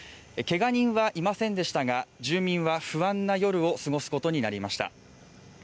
けが人はいませんでしたが、住民は不安な夜を過ごすことになりました。